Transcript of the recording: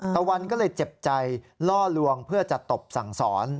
ตะวันก็เลยเจ็บใจล่อลวงเพื่อจะตบสั่งสอน